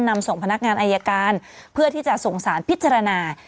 นำส่งพนักงานอายการเพื่อที่จะส่งสารพิจารณา